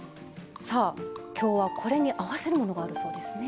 さあ今日はこれに合わせるものがあるそうですね。